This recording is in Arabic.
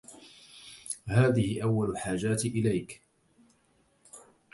هذه أول حاجاتي إليك